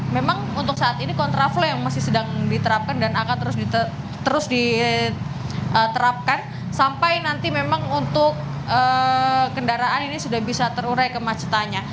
memang untuk saat ini kontraflow yang masih sedang diterapkan dan akan terus diterapkan sampai nanti memang untuk kendaraan ini sudah bisa terurai kemacetannya